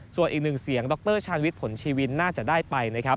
ส่วนอีก๑เสียงดรชาญวิทย์ผลชีวินน่าจะได้ไป